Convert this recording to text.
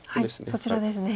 そちらですね。